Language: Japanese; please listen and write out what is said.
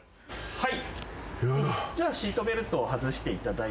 はい。